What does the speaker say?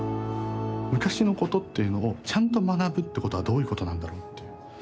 昔のことっていうのをちゃんと学ぶってことはどういうことなんだろうっていう。